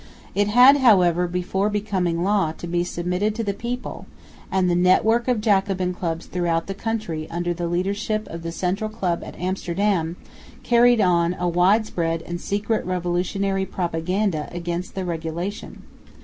It had, however, before becoming law, to be submitted to the people; and the network of Jacobin clubs throughout the country, under the leadership of the central club at Amsterdam, carried on a widespread and secret revolutionary propaganda against the Regulation.